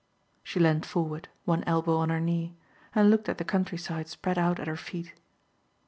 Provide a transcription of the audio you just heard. She leaned forward, one elbow on her knee, and looked at the countryside spread out at her feet.